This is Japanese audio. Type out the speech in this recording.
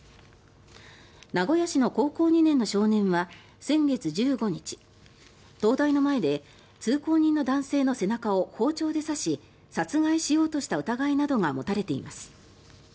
名古屋市の高校２年の少年は先月１５日東大の前で通行人の男性の背中を包丁で刺し殺害しようとした疑いなどが持たれています。